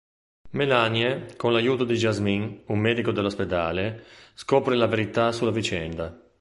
Melanie con l'aiuto di Jasmin, un medico dell'ospedale, scopre la verità sulla vicenda.